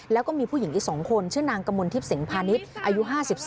แล้วก็มีผู้หญิงอีก๒คนชื่อนางกมลทิพย์เสงพาณิชย์อายุ๕๓